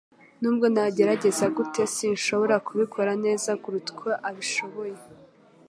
Nubwo nagerageza gute, sinshobora kubikora neza kuruta uko abishoboye.